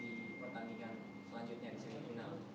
tarjeta meriah yang tidak akan membantu di semifinal